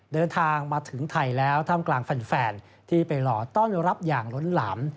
เดินทางมาถึงไทยแล้วท่ามกลางแฟนที่ไปรอต้อนรับอย่างล้นหลาม